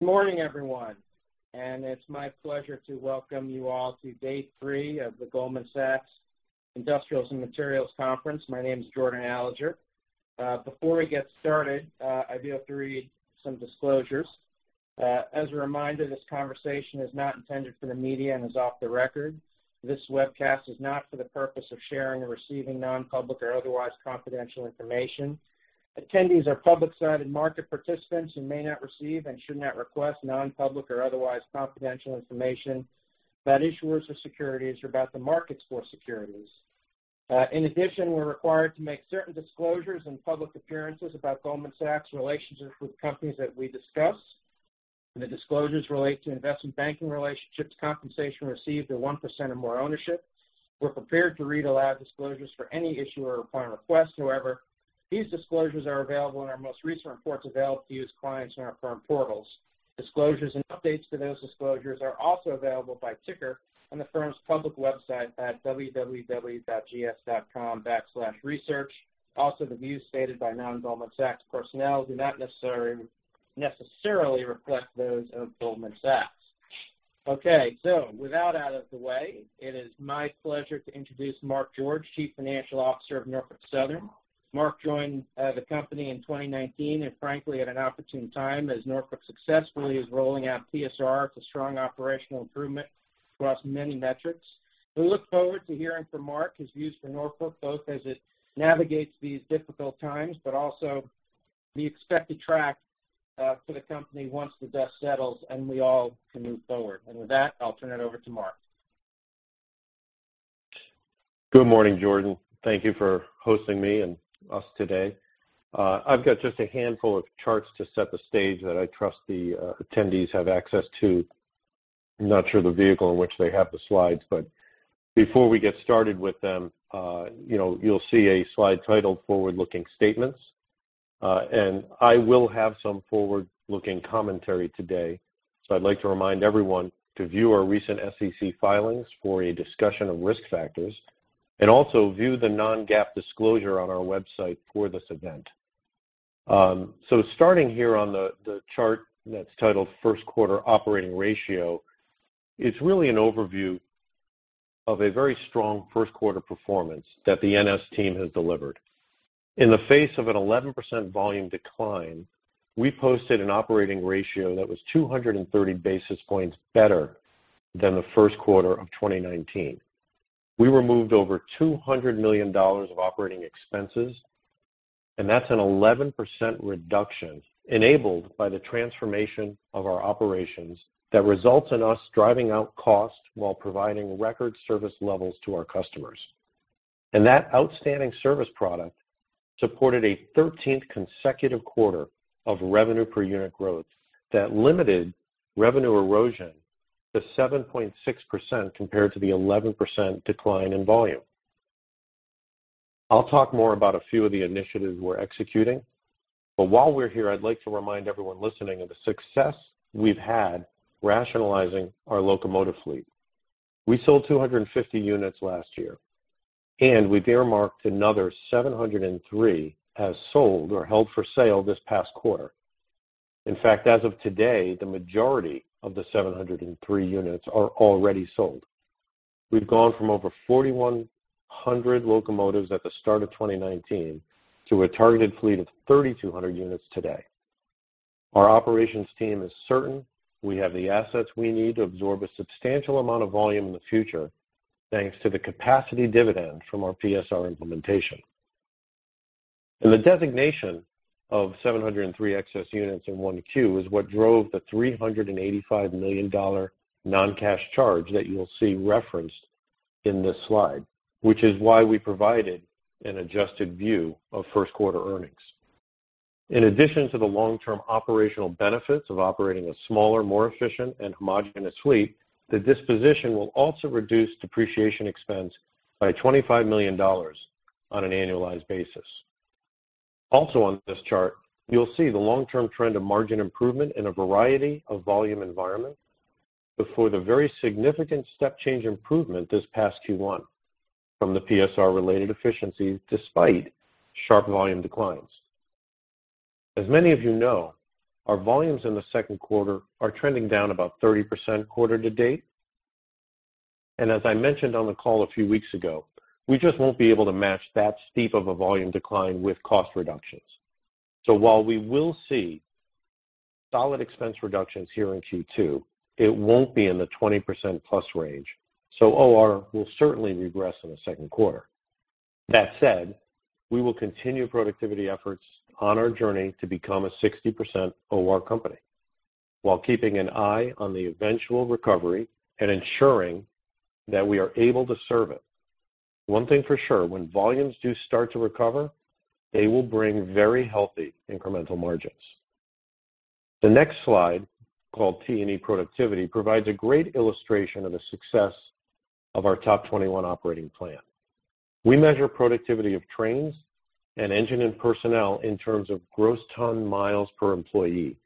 Good morning, everyone. It's my pleasure to welcome you all to day three of the Goldman Sachs Industrials and Materials Conference. My name is Jordan Alleger. Before we get started, I do have to read some disclosures. As a reminder, this conversation is not intended for the media and is off the record. This webcast is not for the purpose of sharing or receiving nonpublic or otherwise confidential information. Attendees are public-sided market participants who may not receive and should not request nonpublic or otherwise confidential information about issuers of securities or about the markets for securities. In addition, we are required to make certain disclosures in public appearances about Goldman Sachs' relationships with companies that we discuss. The disclosures relate to investment banking relationships, compensation received to 1% or more ownership. We are prepared to read aloud disclosures for any issuer or require request. However, these disclosures are available in our most recent reports available to you as clients in our firm portals. Disclosures and updates to those disclosures are also available by ticker on the firm's public website at www.gs.com/research. Also, the views stated by non-Goldman Sachs personnel do not necessarily reflect those of Goldman Sachs. Okay. With that out of the way, it is my pleasure to introduce Mark George, Chief Financial Officer of Norfolk Southern. Mark joined the company in 2019 and, frankly, at an opportune time as Norfolk Southern successfully is rolling out PSR for strong operational improvement across many metrics. We look forward to hearing from Mark, his views for Norfolk, both as it navigates these difficult times, but also the expected track for the company once the dust settles and we all can move forward. With that, I'll turn it over to Mark. Good morning, Jordan. Thank you for hosting me and us today. I've got just a handful of charts to set the stage that I trust the attendees have access to. I'm not sure the vehicle in which they have the slides, but before we get started with them, you'll see a slide titled Forward-Looking Statements. I will have some forward-looking commentary today. I'd like to remind everyone to view our recent SEC filings for a discussion of risk factors and also view the non-GAAP disclosure on our website for this event. Starting here on the chart that's titled First Quarter Operating Ratio, it's really an overview of a very strong first quarter performance that the NS team has delivered. In the face of an 11% volume decline, we posted an operating ratio that was 230 basis points better than the first quarter of 2019. We removed over $200 million of operating expenses, and that's an 11% reduction enabled by the transformation of our operations that results in us driving out cost while providing record service levels to our customers. That outstanding service product supported a 13th consecutive quarter of revenue per unit growth that limited revenue erosion to 7.6% compared to the 11% decline in volume. I'll talk more about a few of the initiatives we're executing. While we're here, I'd like to remind everyone listening of the success we've had rationalizing our locomotive fleet. We sold 250 units last year, and we've earmarked another 703 as sold or held for sale this past quarter. In fact, as of today, the majority of the 703 units are already sold. We've gone from over 4,100 locomotives at the start of 2019 to a targeted fleet of 3,200 units today. Our operations team is certain we have the assets we need to absorb a substantial amount of volume in the future thanks to the capacity dividend from our PSR implementation. The designation of 703 excess units in one queue is what drove the $385 million non-cash charge that you'll see referenced in this slide, which is why we provided an adjusted view of first quarter earnings. In addition to the long-term operational benefits of operating a smaller, more efficient, and homogenous fleet, the disposition will also reduce depreciation expense by $25 million on an annualized basis. Also, on this chart, you'll see the long-term trend of margin improvement in a variety of volume environments before the very significant step change improvement this past Q1 from the PSR-related efficiencies despite sharp volume declines. As many of you know, our volumes in the second quarter are trending down about 30% quarter to date. As I mentioned on the call a few weeks ago, we just won't be able to match that steep of a volume decline with cost reductions. While we will see solid expense reductions here in Q2, it won't be in the 20%+ range. OR will certainly regress in the second quarter. That said, we will continue productivity efforts on our journey to become a 60% OR company while keeping an eye on the eventual recovery and ensuring that we are able to serve it. One thing for sure, when volumes do start to recover, they will bring very healthy incremental margins. The next slide called T&E Productivity provides a great illustration of the success of our TOP 21 operating plan. We measure productivity of trains and engine and personnel in terms of gross ton miles per employee.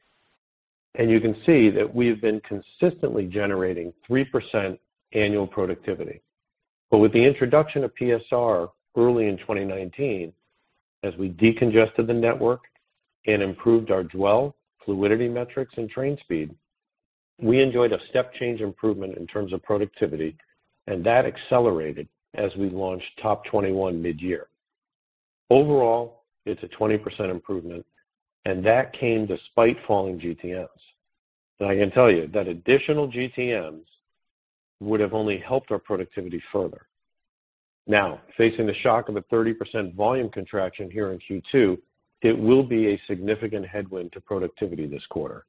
You can see that we have been consistently generating 3% annual productivity. With the introduction of PSR early in 2019, as we decongested the network and improved our dwell fluidity metrics and train speed, we enjoyed a step change improvement in terms of productivity, and that accelerated as we launched TOP 21 mid-year. Overall, it is a 20% improvement, and that came despite falling GTMs. I can tell you that additional GTMs would have only helped our productivity further. Now, facing the shock of a 30% volume contraction here in Q2, it will be a significant headwind to productivity this quarter.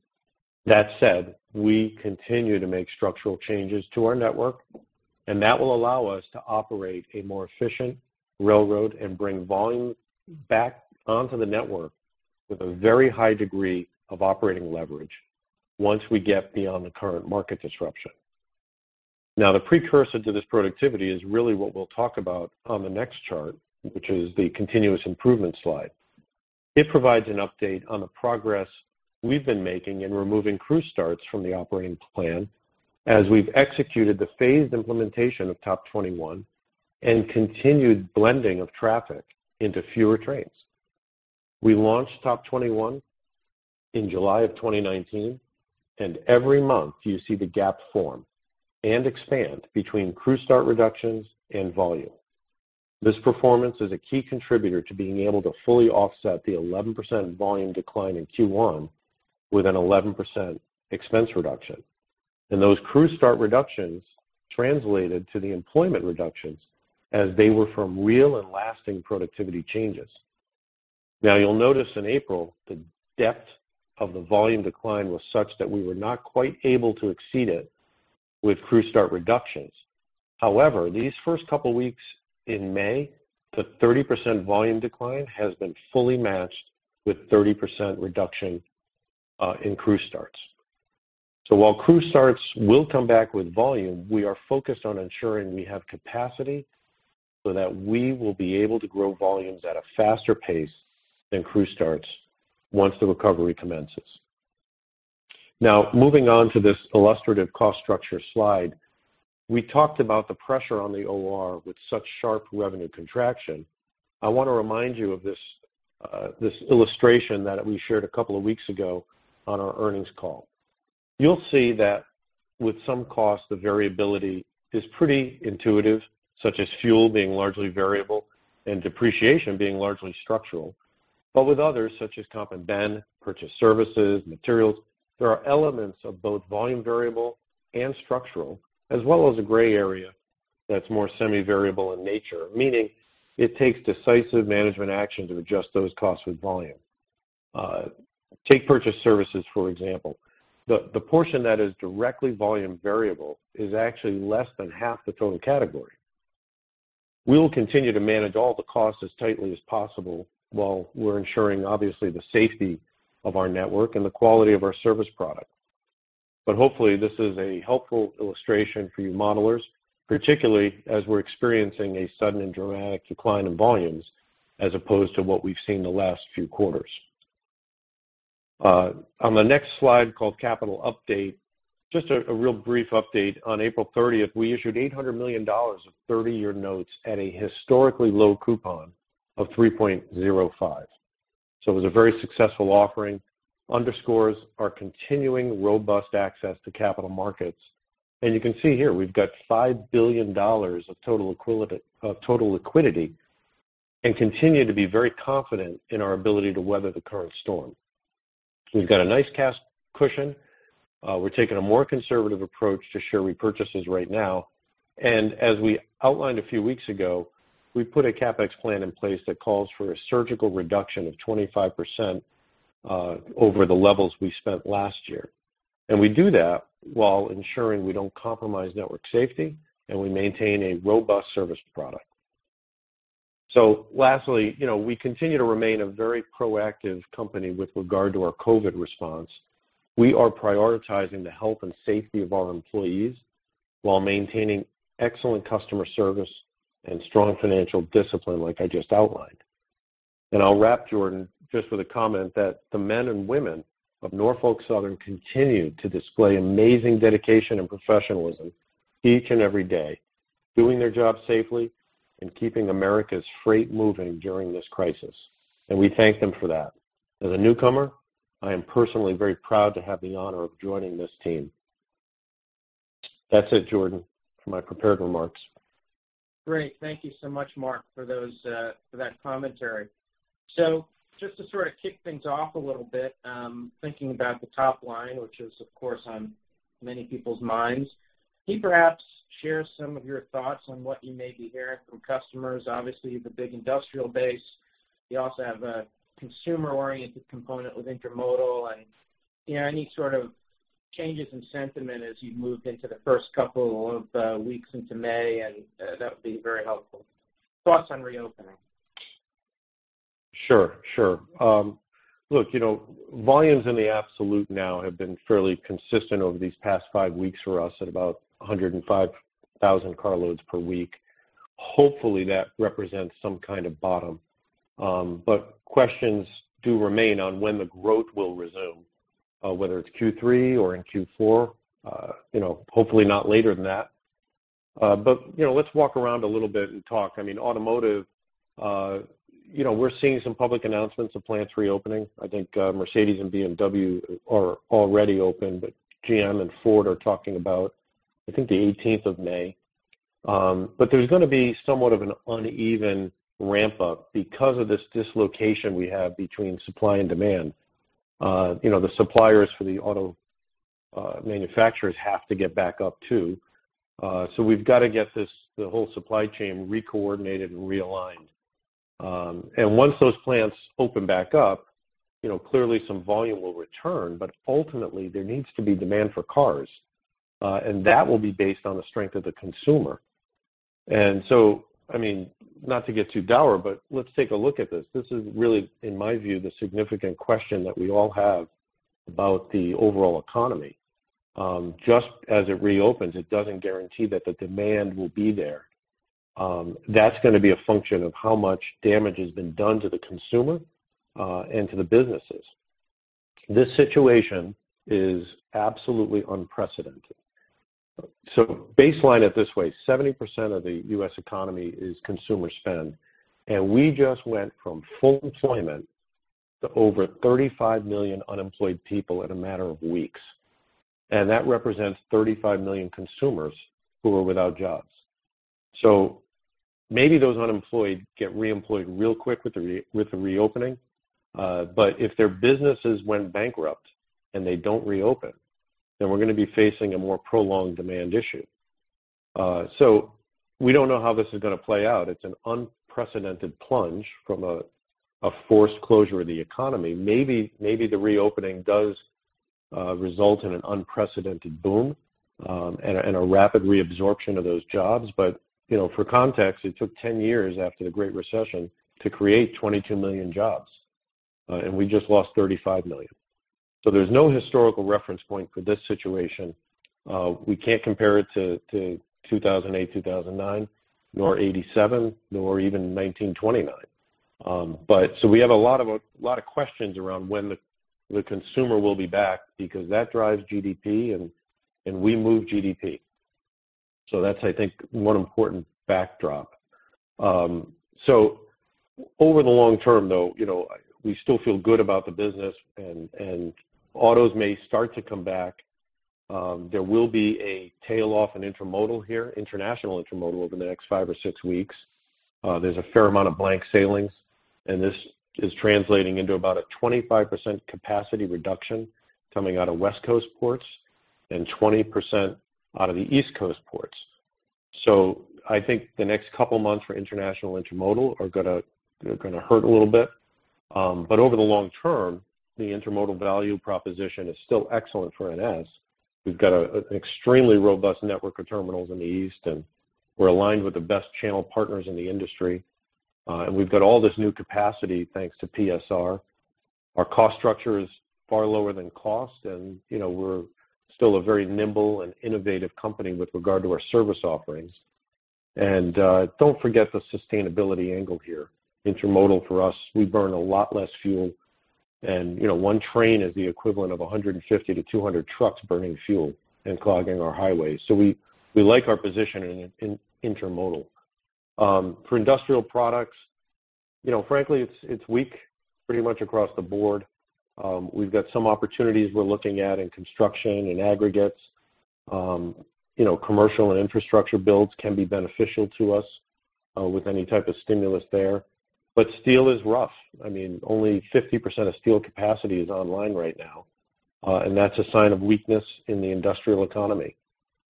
That said, we continue to make structural changes to our network, and that will allow us to operate a more efficient railroad and bring volume back onto the network with a very high degree of operating leverage once we get beyond the current market disruption. Now, the precursor to this productivity is really what we will talk about on the next chart, which is the continuous improvement slide. It provides an update on the progress we have been making in removing crew starts from the operating plan as we have executed the phased implementation of TOP 21 and continued blending of traffic into fewer trains. We launched TOP 21 in July of 2019, and every month you see the gap form and expand between crew start reductions and volume. This performance is a key contributor to being able to fully offset the 11% volume decline in Q1 with an 11% expense reduction. Those crew start reductions translated to the employment reductions as they were from real and lasting productivity changes. You will notice in April, the depth of the volume decline was such that we were not quite able to exceed it with crew start reductions. However, these first couple of weeks in May, the 30% volume decline has been fully matched with 30% reduction in crew starts. While crew starts will come back with volume, we are focused on ensuring we have capacity so that we will be able to grow volumes at a faster pace than crew starts once the recovery commences. Moving on to this illustrative cost structure slide, we talked about the pressure on the OR with such sharp revenue contraction. I want to remind you of this illustration that we shared a couple of weeks ago on our earnings call. You'll see that with some cost, the variability is pretty intuitive, such as fuel being largely variable and depreciation being largely structural. With others, such as comp and ben, purchase services, materials, there are elements of both volume variable and structural, as well as a gray area that's more semi-variable in nature, meaning it takes decisive management action to adjust those costs with volume. Take purchase services, for example. The portion that is directly volume variable is actually less than half the total category. We will continue to manage all the costs as tightly as possible while we're ensuring, obviously, the safety of our network and the quality of our service product. Hopefully, this is a helpful illustration for you modelers, particularly as we're experiencing a sudden and dramatic decline in volumes as opposed to what we've seen the last few quarters. On the next slide called Capital Update, just a real brief update. On April 30, we issued $800 million of 30-year notes at a historically low coupon of 3.05%. It was a very successful offering, underscores our continuing robust access to capital markets. You can see here, we have $5 billion of total liquidity and continue to be very confident in our ability to weather the current storm. We have a nice cash cushion. We are taking a more conservative approach to share repurchases right now. As we outlined a few weeks ago, we put a CapEx plan in place that calls for a surgical reduction of 25% over the levels we spent last year. We do that while ensuring we do not compromise network safety and we maintain a robust service product. Lastly, we continue to remain a very proactive company with regard to our COVID response. We are prioritizing the health and safety of our employees while maintaining excellent customer service and strong financial discipline, like I just outlined. I will wrap, Jordan, just with a comment that the men and women of Norfolk Southern continue to display amazing dedication and professionalism each and every day, doing their job safely and keeping America's freight moving during this crisis. We thank them for that. As a newcomer, I am personally very proud to have the honor of joining this team. That is it, Jordan, for my prepared remarks. Great. Thank you so much, Mark, for that commentary. Just to sort of kick things off a little bit, thinking about the top line, which is, of course, on many people's minds, can you perhaps share some of your thoughts on what you may be hearing from customers? Obviously, the big industrial base. You also have a consumer-oriented component with Intermodal and any sort of changes in sentiment as you've moved into the first couple of weeks into May, and that would be very helpful. Thoughts on reopening? Sure. Sure. Look, volumes in the absolute now have been fairly consistent over these past five weeks for us at about 105,000 car loads per week. Hopefully, that represents some kind of bottom. Questions do remain on when the growth will resume, whether it's Q3 or in Q4, hopefully not later than that. Let's walk around a little bit and talk. I mean, automotive, we're seeing some public announcements of plants reopening. I think Mercedes and BMW are already open, but GM and Ford are talking about, I think, the 18th of May. There is going to be somewhat of an uneven ramp-up because of this dislocation we have between supply and demand. The suppliers for the auto manufacturers have to get back up too. We have to get the whole supply chain recoordinated and realigned. Once those plants open back up, clearly, some volume will return, but ultimately, there needs to be demand for cars, and that will be based on the strength of the consumer. I mean, not to get too dour, but let's take a look at this. This is really, in my view, the significant question that we all have about the overall economy. Just as it reopens, it doesn't guarantee that the demand will be there. That's going to be a function of how much damage has been done to the consumer and to the businesses. This situation is absolutely unprecedented. Baseline it this way: 70% of the U.S. economy is consumer spend. We just went from full employment to over 35 million unemployed people in a matter of weeks. That represents 35 million consumers who are without jobs. Maybe those unemployed get reemployed real quick with the reopening. If their businesses went bankrupt and they do not reopen, then we are going to be facing a more prolonged demand issue. We do not know how this is going to play out. It is an unprecedented plunge from a forced closure of the economy. Maybe the reopening does result in an unprecedented boom and a rapid reabsorption of those jobs. For context, it took 10 years after the Great Recession to create 22 million jobs, and we just lost 35 million. There is no historical reference point for this situation. We cannot compare it to 2008, 2009, nor 1987, nor even 1929. We have a lot of questions around when the consumer will be back because that drives GDP, and we move GDP. That is, I think, one important backdrop. Over the long term, though, we still feel good about the business, and autos may start to come back. There will be a tail off in Intermodal international over the next five or six weeks. There is a fair amount of blank sailings, and this is translating into about a 25% capacity reduction coming out of West Coast ports and 20% out of the East Coast ports. I think the next couple of months for International Intermodal are going to hurt a little bit. Over the long term, the Intermodal value proposition is still excellent for NS. We have got an extremely robust network of terminals in the east, and we are aligned with the best channel partners in the industry. We have got all this new capacity thanks to PSR. Our cost structure is far lower than cost, and we're still a very nimble and innovative company with regard to our service offerings. Do not forget the sustainability angle here. Intermodal, for us, we burn a lot less fuel. One train is the equivalent of 150-200 trucks burning fuel and clogging our highways. We like our position in Intermodal. For industrial products, frankly, it's weak pretty much across the board. We've got some opportunities we're looking at in construction and aggregates. Commercial and infrastructure builds can be beneficial to us with any type of stimulus there. Steel is rough. I mean, only 50% of steel capacity is online right now, and that's a sign of weakness in the industrial economy,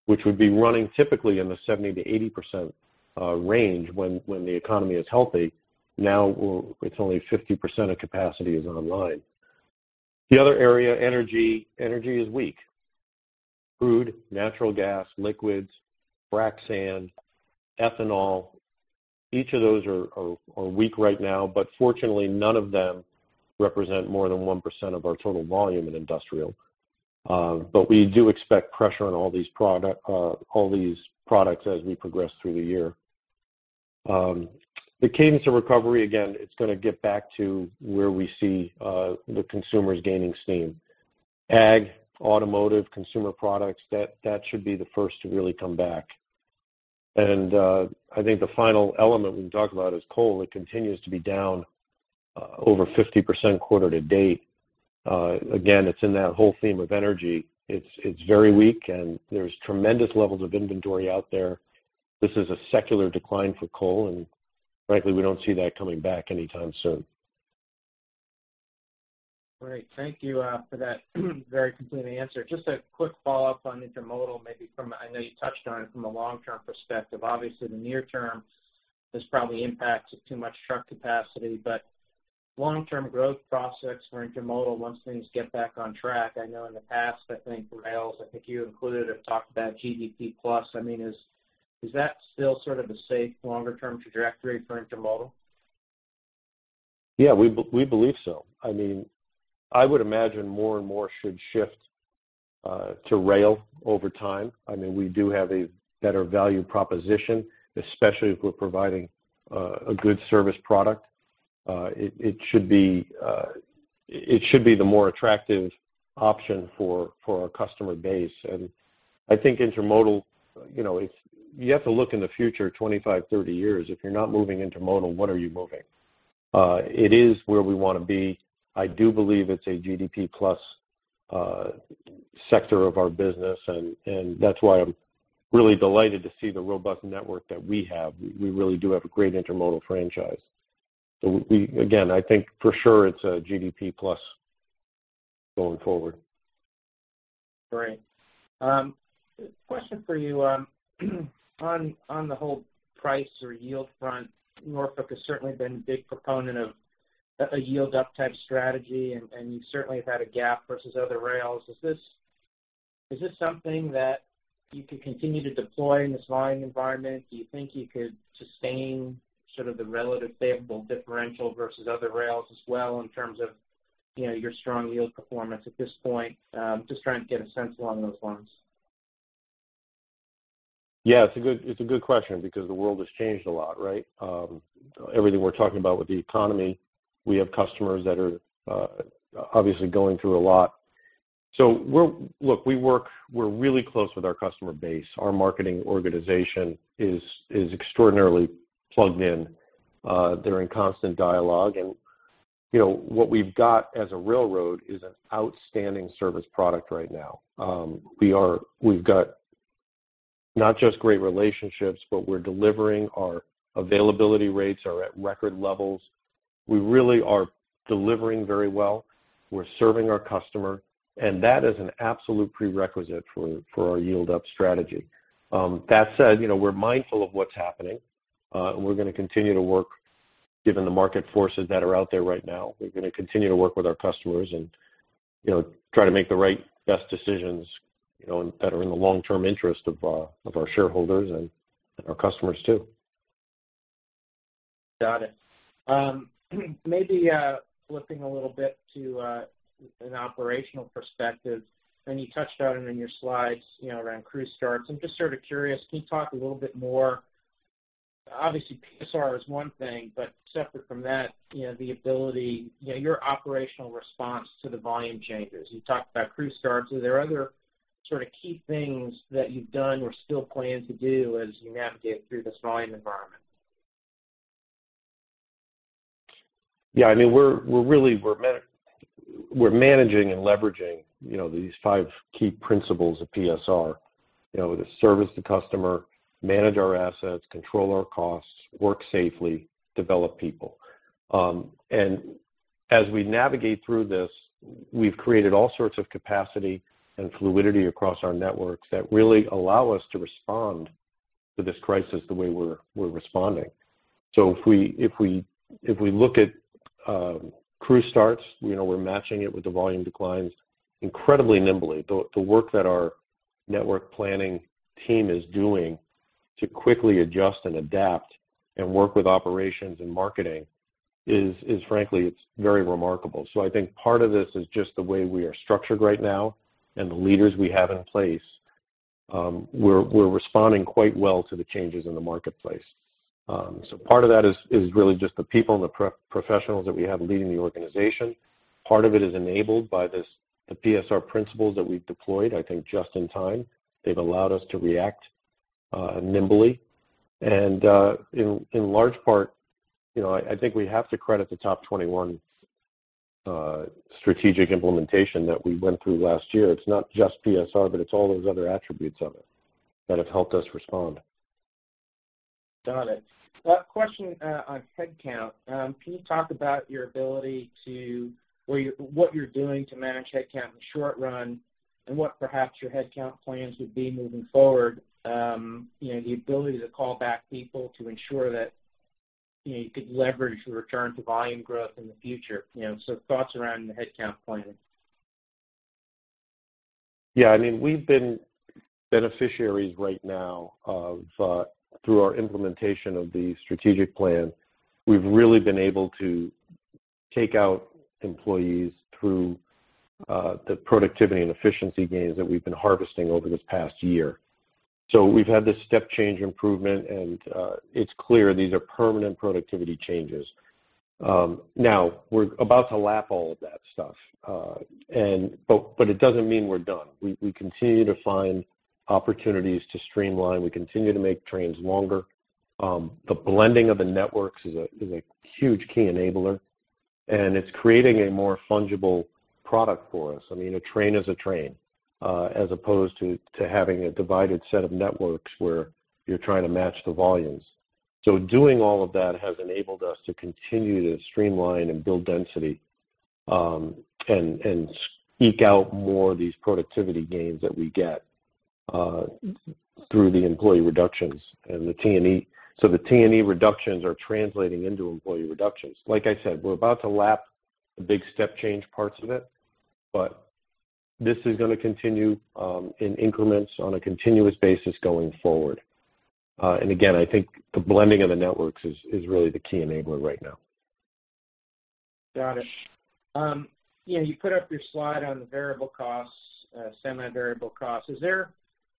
which would be running typically in the 70-80% range when the economy is healthy. Now, it's only 50% of capacity is online. The other area, energy, energy is weak. Crude, natural gas, liquids, frac sand, ethanol, each of those are weak right now, but fortunately, none of them represent more than 1% of our total volume in industrial. We do expect pressure on all these products as we progress through the year. The cadence of recovery, again, it's going to get back to where we see the consumers gaining steam. Ag, automotive, consumer products, that should be the first to really come back. I think the final element we can talk about is coal. It continues to be down over 50% quarter to date. Again, it's in that whole theme of energy. It's very weak, and there's tremendous levels of inventory out there. This is a secular decline for coal, and frankly, we don't see that coming back anytime soon. Great. Thank you for that very complete answer. Just a quick follow-up on Intermodal, maybe from I know you touched on it from a long-term perspective. Obviously, the near-term is probably impacted too much truck capacity, but long-term growth prospects for Intermodal once things get back on track. I know in the past, I think rails, I think you included, have talked about GDP plus. I mean, is that still sort of a safe longer-term trajectory for Intermodal? Yeah, we believe so. I mean, I would imagine more and more should shift to rail over time. I mean, we do have a better value proposition, especially if we're providing a good service product. It should be the more attractive option for our customer base. I think Intermodal, you have to look in the future 25, 30 years. If you're not moving Intermodal, what are you moving? It is where we want to be. I do believe it's a GDP plus sector of our business, and that's why I'm really delighted to see the robust network that we have. We really do have a great Intermodal franchise. Again, I think for sure it's a GDP plus going forward. Great. Question for you. On the whole price or yield front, Norfolk has certainly been a big proponent of a yield-up type strategy, and you certainly have had a gap versus other rails. Is this something that you could continue to deploy in this volume environment? Do you think you could sustain sort of the relative favorable differential versus other rails as well in terms of your strong yield performance at this point? Just trying to get a sense along those lines. Yeah, it's a good question because the world has changed a lot, right? Everything we're talking about with the economy, we have customers that are obviously going through a lot. Look, we're really close with our customer base. Our marketing organization is extraordinarily plugged in. They're in constant dialogue. What we've got as a railroad is an outstanding service product right now. We've got not just great relationships, but we're delivering. Our availability rates are at record levels. We really are delivering very well. We're serving our customer, and that is an absolute prerequisite for our yield-up strategy. That said, we're mindful of what's happening, and we're going to continue to work given the market forces that are out there right now. We're going to continue to work with our customers and try to make the right, best decisions that are in the long-term interest of our shareholders and our customers too. Got it. Maybe flipping a little bit to an operational perspective, and you touched on it in your slides around crew starts. I'm just sort of curious, can you talk a little bit more? Obviously, PSR is one thing, but separate from that, the ability, your operational response to the volume changes. You talked about crew starts. Are there other sort of key things that you've done or still plan to do as you navigate through this volume environment? Yeah. I mean, we're managing and leveraging these five key principles of PSR: the service to customer, manage our assets, control our costs, work safely, develop people. As we navigate through this, we've created all sorts of capacity and fluidity across our networks that really allow us to respond to this crisis the way we're responding. If we look at crew starts, we're matching it with the volume declines incredibly nimbly. The work that our network planning team is doing to quickly adjust and adapt and work with operations and marketing is, frankly, it's very remarkable. I think part of this is just the way we are structured right now and the leaders we have in place. We're responding quite well to the changes in the marketplace. Part of that is really just the people and the professionals that we have leading the organization. Part of it is enabled by the PSR principles that we've deployed, I think, just in time. They've allowed us to react nimbly. In large part, I think we have to credit the TOP 21 strategic implementation that we went through last year. It's not just PSR, but it's all those other attributes of it that have helped us respond. Got it. Question on headcount. Can you talk about your ability to what you're doing to manage headcount in the short run and what perhaps your headcount plans would be moving forward? The ability to call back people to ensure that you could leverage the return to volume growth in the future. Thoughts around the headcount plan. Yeah. I mean, we've been beneficiaries right now through our implementation of the strategic plan. We've really been able to take out employees through the productivity and efficiency gains that we've been harvesting over this past year. We've had this step change improvement, and it's clear these are permanent productivity changes. Now, we're about to lap all of that stuff, but it doesn't mean we're done. We continue to find opportunities to streamline. We continue to make trains longer. The blending of the networks is a huge key enabler, and it's creating a more fungible product for us. I mean, a train is a train as opposed to having a divided set of networks where you're trying to match the volumes. Doing all of that has enabled us to continue to streamline and build density and eke out more of these productivity gains that we get through the employee reductions and the T&E. The T&E reductions are translating into employee reductions. Like I said, we're about to lap the big step change parts of it, but this is going to continue in increments on a continuous basis going forward. I think the blending of the networks is really the key enabler right now. Got it. You put up your slide on the variable costs, semi-variable costs. Is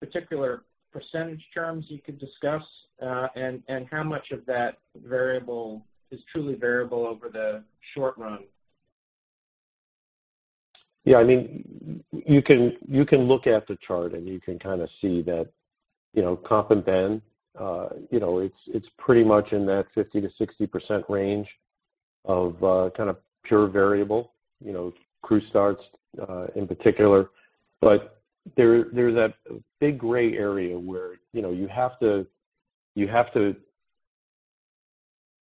there particular percentage terms you could discuss? How much of that variable is truly variable over the short run? Yeah. I mean, you can look at the chart, and you can kind of see that comp and ben, it's pretty much in that 50%-60% range of kind of pure variable, crew starts in particular. There is a big gray area where you have to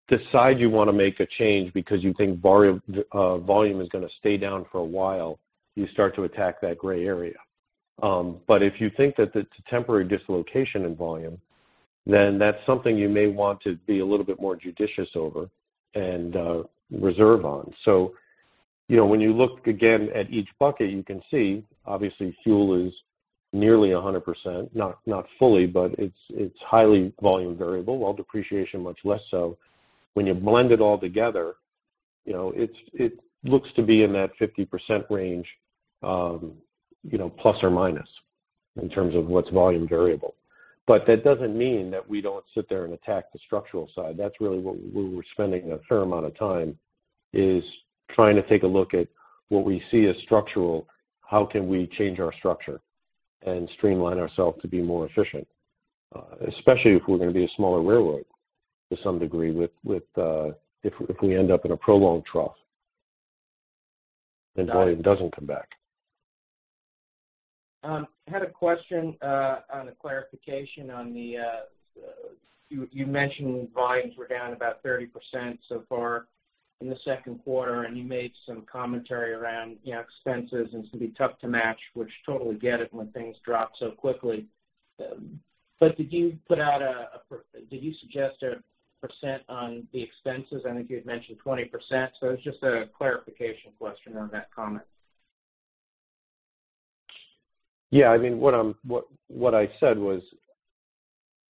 decide you want to make a change because you think volume is going to stay down for a while, you start to attack that gray area. If you think that it's a temporary dislocation in volume, then that's something you may want to be a little bit more judicious over and reserve on. When you look again at each bucket, you can see obviously fuel is nearly 100%, not fully, but it's highly volume variable, while depreciation much less so. When you blend it all together, it looks to be in that 50% range plus or minus in terms of what's volume variable. That doesn't mean that we don't sit there and attack the structural side. That's really where we're spending a fair amount of time is trying to take a look at what we see as structural, how can we change our structure and streamline ourselves to be more efficient, especially if we're going to be a smaller railroad to some degree if we end up in a prolonged trough and volume doesn't come back. I had a question on a clarification on the you mentioned volumes were down about 30% so far in the second quarter, and you made some commentary around expenses and it's going to be tough to match, which totally get it when things drop so quickly. Did you put out a did you suggest a percent on the expenses? I think you had mentioned 20%. It's just a clarification question on that comment. Yeah. I mean, what I said was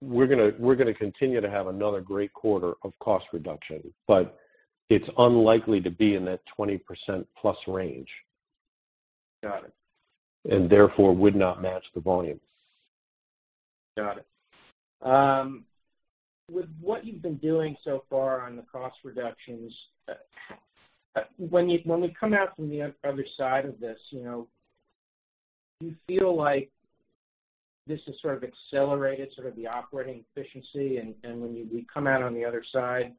we're going to continue to have another great quarter of cost reduction, but it's unlikely to be in that 20%+ range. Got it. Therefore would not match the volume. Got it. With what you've been doing so far on the cost reductions, when we come out from the other side of this, do you feel like this has sort of accelerated sort of the operating efficiency? When we come out on the other side,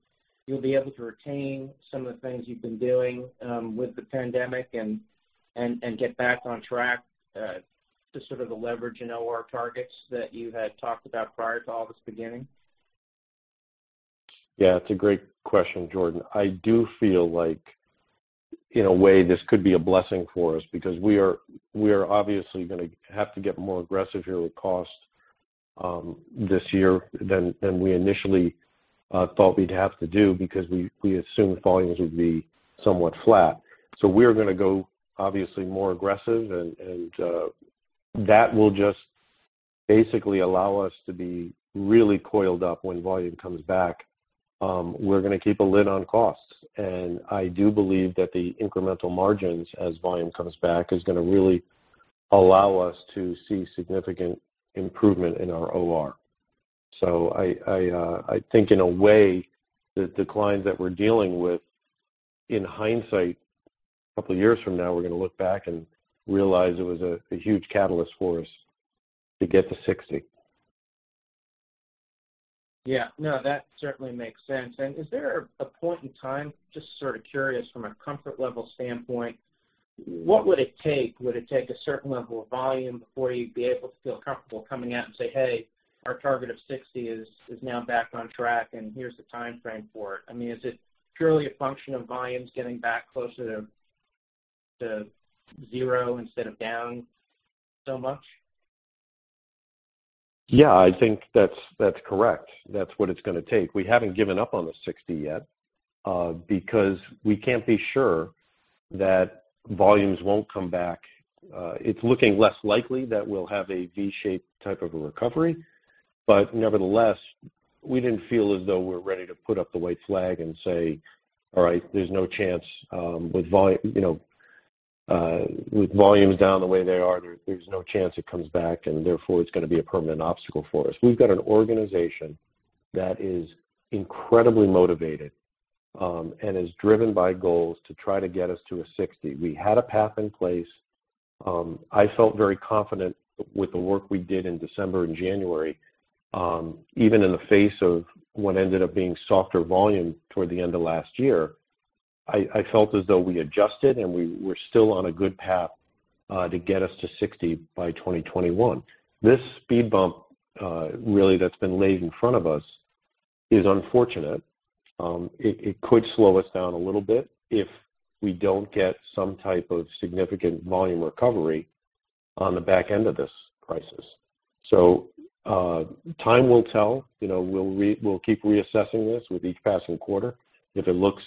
you'll be able to retain some of the things you've been doing with the pandemic and get back on track to sort of the leverage and OR targets that you had talked about prior to all this beginning? Yeah. It's a great question, Jordan. I do feel like in a way this could be a blessing for us because we are obviously going to have to get more aggressive here with cost this year than we initially thought we'd have to do because we assumed volumes would be somewhat flat. We're going to go obviously more aggressive, and that will just basically allow us to be really coiled up when volume comes back. We're going to keep a lid on costs. I do believe that the incremental margins as volume comes back is going to really allow us to see significant improvement in our OR. I think in a way, the declines that we're dealing with in hindsight a couple of years from now, we're going to look back and realize it was a huge catalyst for us to get to 60. Yeah. No, that certainly makes sense. Is there a point in time, just sort of curious from a comfort level standpoint, what would it take? Would it take a certain level of volume before you'd be able to feel comfortable coming out and say, "Hey, our target of 60 is now back on track, and here's the time frame for it"? I mean, is it purely a function of volumes getting back closer to zero instead of down so much? Yeah. I think that's correct. That's what it's going to take. We haven't given up on the 60 yet because we can't be sure that volumes won't come back. It's looking less likely that we'll have a V-shaped type of a recovery. Nevertheless, we didn't feel as though we're ready to put up the white flag and say, "All right, there's no chance with volumes down the way they are, there's no chance it comes back, and therefore it's going to be a permanent obstacle for us." We've got an organization that is incredibly motivated and is driven by goals to try to get us to a 60. We had a path in place. I felt very confident with the work we did in December and January, even in the face of what ended up being softer volume toward the end of last year. I felt as though we adjusted, and we were still on a good path to get us to 60 by 2021. This speed bump really that's been laid in front of us is unfortunate. It could slow us down a little bit if we do not get some type of significant volume recovery on the back end of this crisis. Time will tell. We will keep reassessing this with each passing quarter. If it looks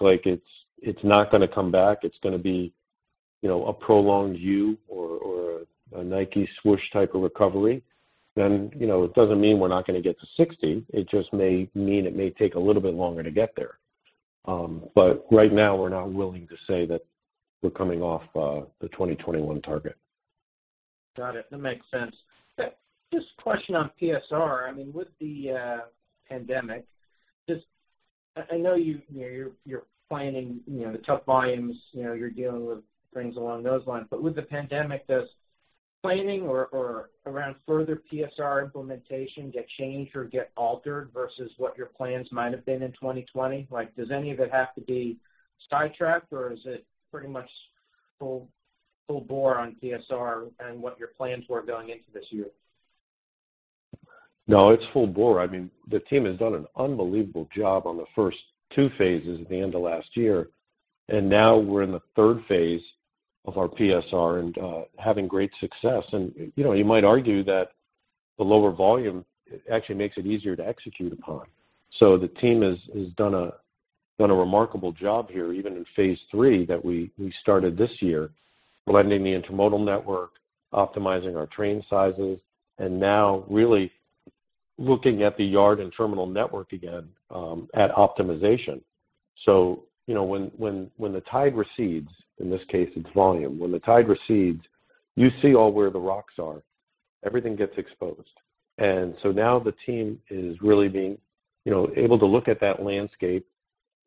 like it is not going to come back, it is going to be a prolonged U or a Nike swoosh type of recovery, it does not mean we are not going to get to 60. It just may mean it may take a little bit longer to get there. Right now, we are not willing to say that we are coming off the 2021 target. Got it. That makes sense. Just a question on PSR. I mean, with the pandemic, I know you're planning the tough volumes. You're dealing with things along those lines. With the pandemic, does planning or around further PSR implementation get changed or get altered versus what your plans might have been in 2020? Does any of it have to be sidetracked, or is it pretty much full bore on PSR and what your plans were going into this year? No, it's full bore. I mean, the team has done an unbelievable job on the first two phases at the end of last year, and now we're in the third phase of our PSR and having great success. You might argue that the lower volume actually makes it easier to execute upon. The team has done a remarkable job here even in phase three that we started this year, blending the intermodal network, optimizing our train sizes, and now really looking at the yard and terminal network again at optimization. When the tide recedes, in this case, it's volume. When the tide recedes, you see all where the rocks are. Everything gets exposed. The team is really being able to look at that landscape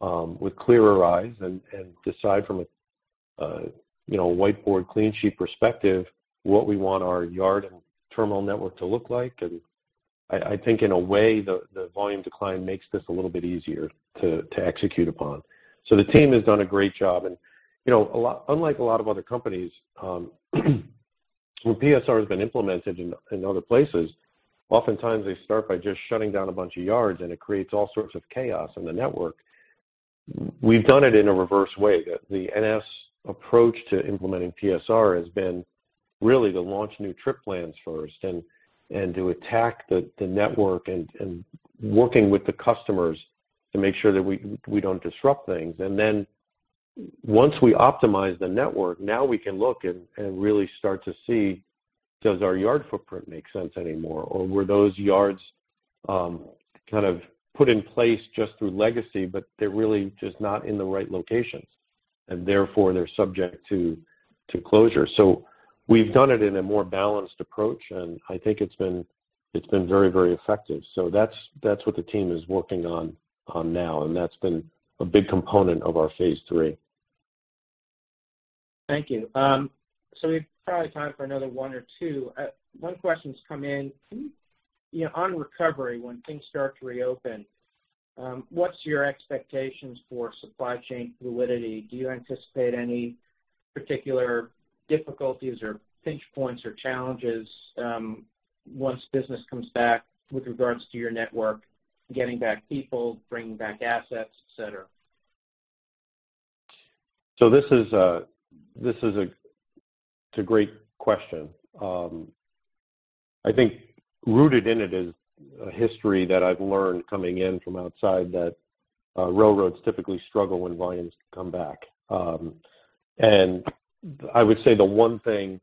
with clearer eyes and decide from a whiteboard clean sheet perspective what we want our yard and terminal network to look like. I think in a way, the volume decline makes this a little bit easier to execute upon. The team has done a great job. Unlike a lot of other companies, when PSR has been implemented in other places, oftentimes they start by just shutting down a bunch of yards, and it creates all sorts of chaos in the network. We have done it in a reverse way. The NS approach to implementing PSR has been really to launch new trip plans first and to attack the network and working with the customers to make sure that we do not disrupt things. Once we optimize the network, now we can look and really start to see, does our yard footprint make sense anymore? Or were those yards kind of put in place just through legacy, but they're really just not in the right locations, and therefore they're subject to closure? We have done it in a more balanced approach, and I think it's been very, very effective. That is what the team is working on now, and that's been a big component of our phase three. Thank you. We probably have time for another one or two. One question's come in. On recovery, when things start to reopen, what's your expectations for supply chain fluidity? Do you anticipate any particular difficulties or pinch points or challenges once business comes back with regards to your network, getting back people, bringing back assets, etc.? This is a great question. I think rooted in it is a history that I've learned coming in from outside that railroads typically struggle when volumes come back. I would say the one thing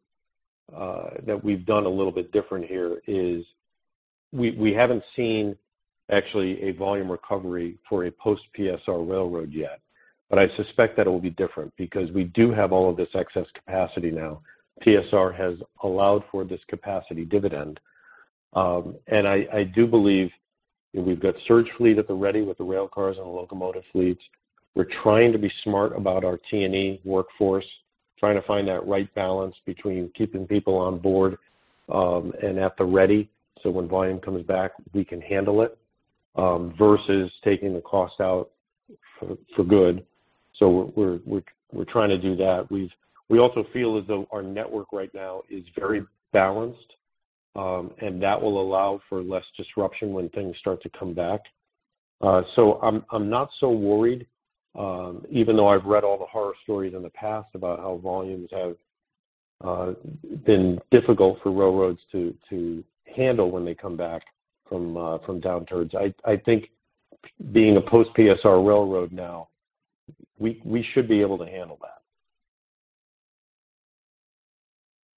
that we've done a little bit different here is we haven't seen actually a volume recovery for a post-PSR railroad yet, but I suspect that it will be different because we do have all of this excess capacity now. PSR has allowed for this capacity dividend. I do believe we've got surge fleet at the ready with the rail cars and the locomotive fleets. We're trying to be smart about our T&E workforce, trying to find that right balance between keeping people on board and at the ready so when volume comes back, we can handle it versus taking the cost out for good. We're trying to do that. We also feel as though our network right now is very balanced, and that will allow for less disruption when things start to come back. I am not so worried, even though I have read all the horror stories in the past about how volumes have been difficult for railroads to handle when they come back from downturns. I think being a post-PSR railroad now, we should be able to handle that.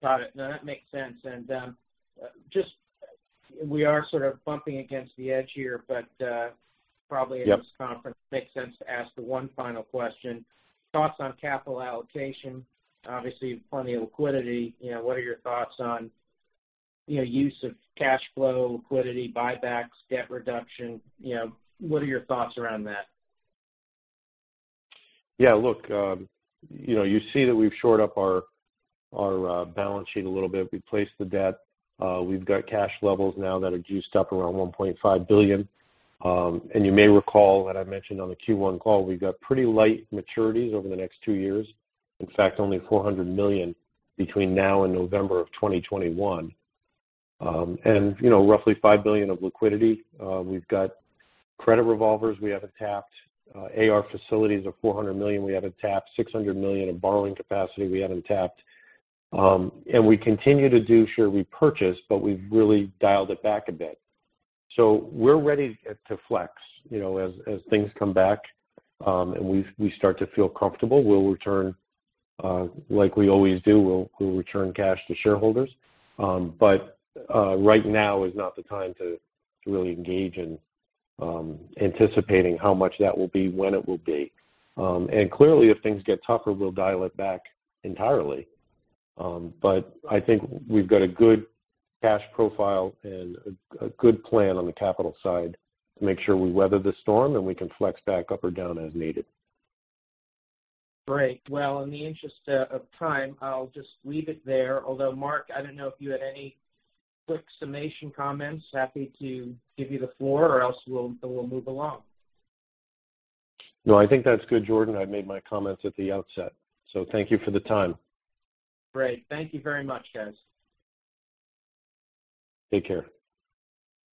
Got it. No, that makes sense. We are sort of bumping against the edge here, but probably at this conference, it makes sense to ask the one final question. Thoughts on capital allocation? Obviously, plenty of liquidity. What are your thoughts on use of cash flow, liquidity, buybacks, debt reduction? What are your thoughts around that? Yeah. Look, you see that we've shored up our balance sheet a little bit. We've placed the debt. We've got cash levels now that are juiced up around $1.5 billion. You may recall that I mentioned on the Q1 call, we've got pretty light maturities over the next two years. In fact, only $400 million between now and November of 2021. And roughly $5 billion of liquidity. We've got credit revolvers. We haven't tapped AR facilities of $400 million. We haven't tapped $600 million of borrowing capacity. We haven't tapped. We continue to do share repurchase, but we've really dialed it back a bit. We are ready to flex as things come back, and we start to feel comfortable. We'll return like we always do. We'll return cash to shareholders. Right now is not the time to really engage in anticipating how much that will be, when it will be. Clearly, if things get tougher, we'll dial it back entirely. I think we've got a good cash profile and a good plan on the capital side to make sure we weather the storm and we can flex back up or down as needed. Great. In the interest of time, I'll just leave it there. Although, Mark, I don't know if you had any quick summation comments. Happy to give you the floor, or else we'll move along. No, I think that's good, Jordan. I've made my comments at the outset. Thank you for the time. Great. Thank you very much, guys. Take care.